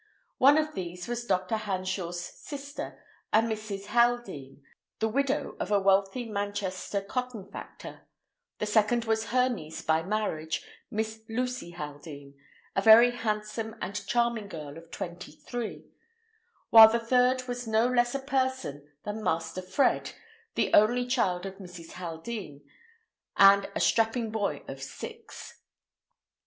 One of these was Dr. Hanshaw's sister, a Mrs. Haldean, the widow of a wealthy Manchester cotton factor; the second was her niece by marriage, Miss Lucy Haldean, a very handsome and charming girl of twenty three; while the third was no less a person than Master Fred, the only child of Mrs. Haldean, and a strapping boy of six.